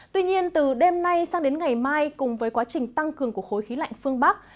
tuy nhiên từ đêm nay sang đến ngày mai cùng với quá trình tăng cường của khối khí lạnh phương bắc